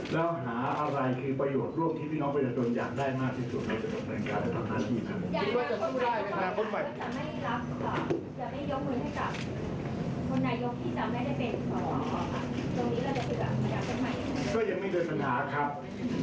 แล้วหาอะไรคือประโยชน์ร่วมที่พี่น้องวิทยาลัยจน์อยากได้มากที่สุดในการจับมือกับอนาคตนี้